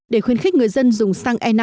để khuyến khích người dân dùng sang e năm